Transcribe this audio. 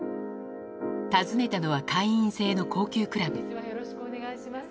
訪ねたのは会員制の高級クラブ。